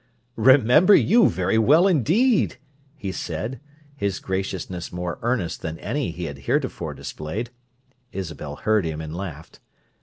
"Remember you very well indeed!" he said, his graciousness more earnest than any he had heretofore displayed. Isabel heard him and laughed.